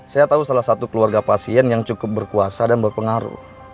saya tahu salah satu keluarga pasien yang cukup berkuasa dan berpengaruh